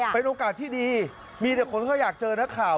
เป็นโอกาสที่ดีมีแต่คนก็อยากเจอนักข่าว